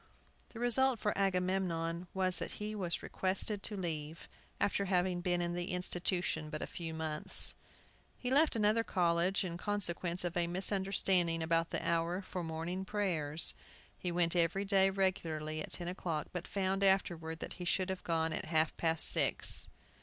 The result for Agamemnon was that he was requested to leave, after having been in the institution but a few months. He left another college in consequence of a misunderstanding about the hour for morning prayers. He went every day regularly at ten o'clock, but found, afterward, that he should have gone at half past six.